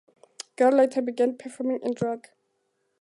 Girl later began performing in drag.